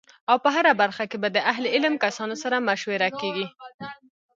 او په هره برخه کی به د اهل علم کسانو سره مشوره کیږی